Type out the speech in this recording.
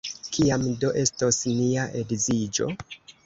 Kiam do estos nia edziĝo?